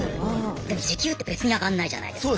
でも時給って別に上がんないじゃないですか。